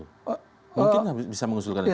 mungkin bisa mengusulkan itu